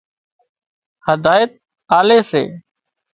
هدايت آلي سي